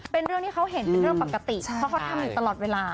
เป็นเรื่องที่เขาเห็นเป็นเรื่องปกติเพราะเขาทำอยู่ตลอดเวลา